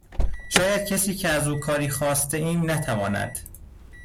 شاید کسی که از او کاری خواسته ایم نتواند